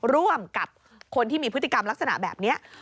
ร่วมกับคนที่มีพฤติกรรมลักษณะแบบนี้